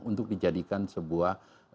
untuk dijadikan sebuah